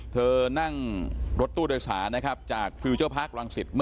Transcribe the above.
เธอนั่งรถตู้โดยสารนะครับจากฟิลเจอร์พาร์ครังสิต